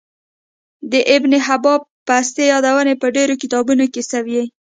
د ابن حبان بستي يادونه په ډیرو کتابونو کی سوی